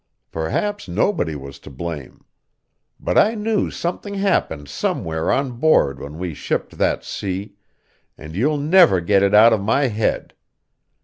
Perhaps nobody was to blame. But I knew something happened somewhere on board when we shipped that sea, and you'll never get it out of my head.